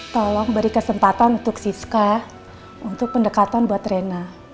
tolong beri kesempatan untuk siska untuk pendekatan buat rena